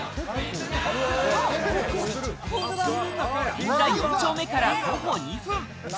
銀座４丁目から徒歩２分。